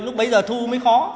lúc bấy giờ thu mới khó